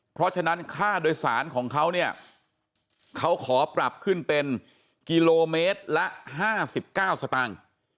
เพราะฉะนั้นค่าโดยสารของเขาเนี่ยเขาขอปรับขึ้นเป็นกิโลเมตรละ๕๙สตางค์